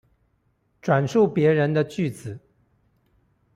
轉述別人的句子